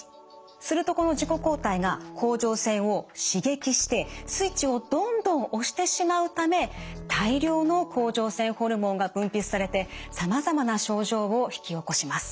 するとこの自己抗体が甲状腺を刺激してスイッチをどんどん押してしまうため大量の甲状腺ホルモンが分泌されてさまざまな症状を引き起こします。